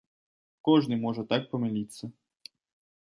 Кожны можа так памыліцца.